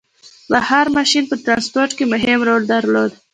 • بخار ماشین په ټرانسپورټ کې مهم رول درلود.